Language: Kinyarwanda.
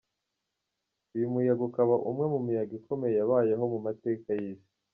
Uyu muyaga ukaba umwe mu miyaga ikomeye yabayeho mu mateka y’isi.